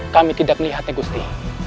kami tidak melihatnya gusti